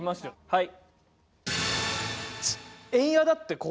はい。